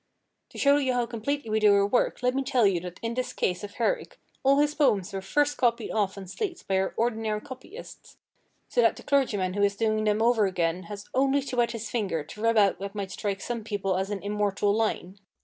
To show you how completely we do our work, let me tell you that in this case of Herrick all his poems were first copied off on slates by our ordinary copyists, so that the clergyman who is doing them over again has only to wet his finger to rub out what might strike some people as an immortal line."